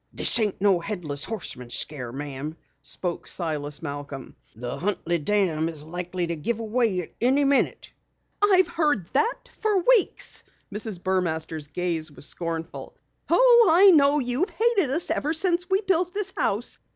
"This ain't no Headless Horseman scare, Ma'am," spoke Silas Malcom. "The Huntley dam is likely to give way at any minute." "I've heard that for weeks!" Mrs. Burmaster's gaze was scornful. "Oh, I know you've hated us ever since we built this house!